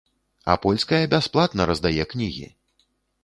А польская бясплатна раздае кнігі!